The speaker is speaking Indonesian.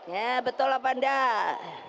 ya betul apa enggak